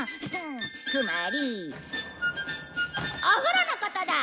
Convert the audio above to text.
つまりお風呂のことだ！